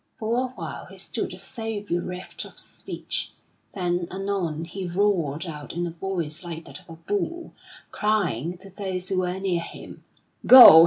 For a while he stood as though bereft of speech; then anon he roared out in a voice like that of a bull, crying to those who were near him: "Go!